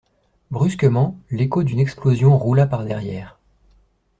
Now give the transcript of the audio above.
Brusquement, l'écho d'une explosion roula par derrière.